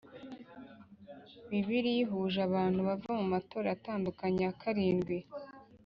Bibiliya uhuje abantu bava mu matorero atandukanye ya karindwi